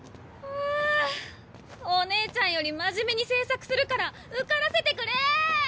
お姉ちゃんより真面目に制作するから受からせてくれ！